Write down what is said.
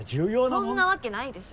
そんなわけないでしょ！